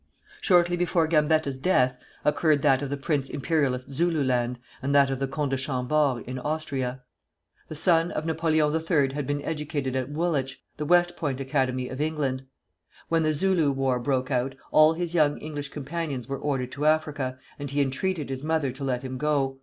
Shortly before Gambetta's death, occurred that of the Prince Imperial in Zululand, and that of the Comte de Chambord in Austria. The son of Napoleon III. had been educated at Woolwich, the West Point Academy of England. When the Zulu war broke out, all his young English companions were ordered to Africa, and he entreated his mother to let him go.